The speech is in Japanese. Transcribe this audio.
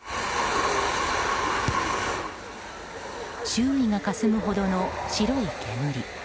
周囲がかすむほどの白い煙。